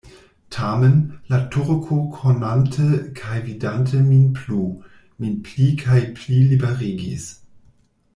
Tamen, la Turko konante kaj vidante min plu, min pli kaj pli liberigis.